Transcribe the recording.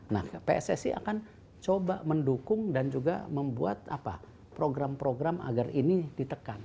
nah pssi akan coba mendukung dan juga membuat program program agar ini ditekan